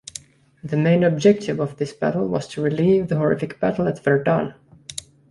The main objective of this battle was to relieve the horrific battle at Verdun.